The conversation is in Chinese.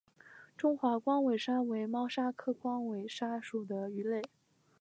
中华光尾鲨为猫鲨科光尾鲨属的鱼类。